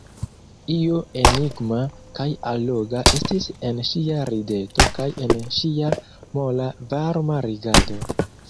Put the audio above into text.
Io enigma kaj alloga estis en ŝia rideto kaj en ŝia mola varma rigardo.